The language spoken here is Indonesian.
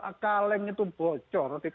kalau kaleng itu bocor dikasih air berapa banyak